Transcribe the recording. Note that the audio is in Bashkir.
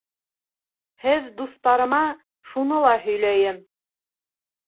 Һеҙ дуҫтарыма шуны ла һөйләйем.